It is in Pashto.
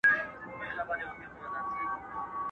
o چي ډېر غواړي جنگونه، هغه ډېر کوي ودونه.